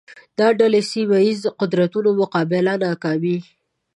دا ډلې سیمه ییزو قدرتونو مقابله ناکامې